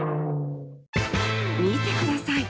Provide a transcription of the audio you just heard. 見てください。